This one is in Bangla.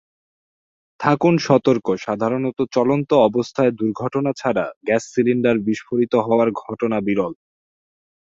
থাকুন সতর্কসাধারণত চলন্ত অবস্থায় দুর্ঘটনা ছাড়া গ্যাস সিলিন্ডার বিস্ফোরিত হওয়ার ঘটনা বিরল।